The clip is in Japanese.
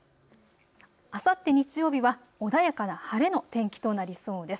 あさって日曜日は穏やかな晴れの天気となりそうです。